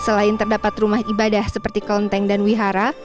di kota bandung terdapat banyak tempat untuk menikmati kelonteng dan wihara